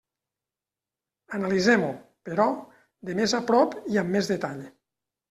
Analitzem-ho, però, de més a prop i amb més detall.